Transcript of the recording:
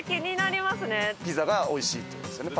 ピザがおいしいって事ですよね？